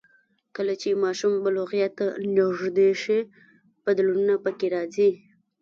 کله چې ماشوم بلوغیت ته نږدې شي، بدلونونه پکې راځي.